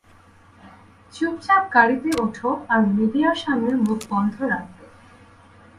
চুপচাপ গাড়িতে ওঠো আর মিডিয়ার সামনে মুখ বন্ধ রাখবে।